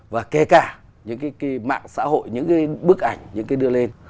và kể cả những cái mạng xã hội những cái bức ảnh những cái đưa lên